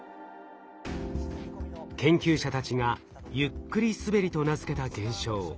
研究者たちが「ゆっくりすべり」と名付けた現象。